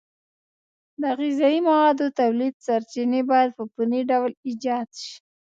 د غذایي موادو تولید سرچینې باید په فني ډول ایجاد شي.